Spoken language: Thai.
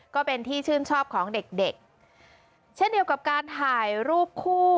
ก็เป็นที่ชื่นชอบของเด็กเด็กเช่นเดียวกับการถ่ายรูปคู่